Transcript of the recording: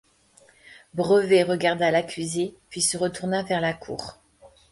Brevet regarda l’accusé, puis se retourna vers la cour.